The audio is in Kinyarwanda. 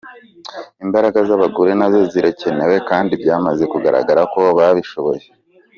Imbaraga z’Abagore nazo zirakenewe kandi byamaze kugaragara ko babishoboye.